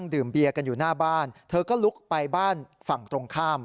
ดื่มเบียร์กันอยู่หน้าบ้านเธอก็ลุกไปบ้านฝั่งตรงข้าม